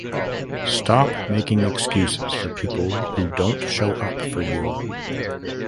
Stop making excuses for people who don’t show up for you.